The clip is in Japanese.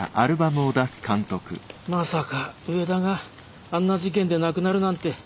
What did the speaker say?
まさか上田があんな事件で亡くなるなんて。